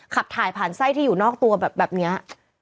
ขับถ่ายผ่านไส้ที่อยู่นอกตัวแบบแบบนี้